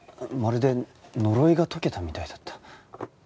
まるで呪いが解けたみたいだった。